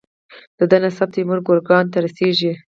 د ده نسب تیمور ګورکان ته رسیږي.